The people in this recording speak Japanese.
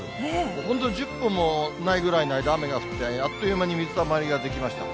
本当に１０分もないぐらいの間、雨が降って、あっという間に水たまりが出来ました。